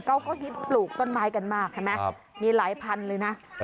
เขาก็ฮิตปลูกต้นไม้กันมากเห็นไหมมีหลายพันเลยนะ